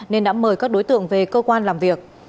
nên đã mời các đối tượng về cơ quan làm việc